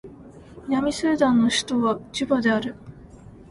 南スーダンの首都はジュバである